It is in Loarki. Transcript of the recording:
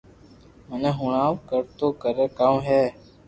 مني ھڻاو ڪو تو ڪري ڪاو ھي